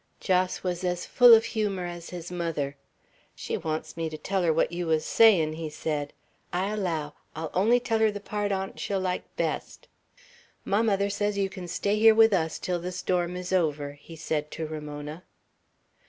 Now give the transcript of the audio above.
Jos was as full of humor as his mother. "She wants me to tell her what you wuz sayin'," he said, "I allow, I'll only tell her the part on't she'll like best. My mother says you can stay here with us till the storm is over," he said to Ramona.